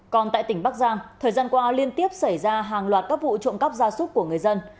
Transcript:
còn tại tỉnh bắc giang thời gian qua liên tiếp xảy ra hàng loạt các vụ trộm cắp gia súc của người dân